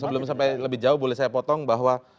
sebelum sampai lebih jauh boleh saya potong bahwa